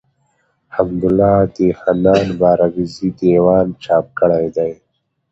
حمدالله د حنان بارکزي دېوان څاپ کړی دﺉ.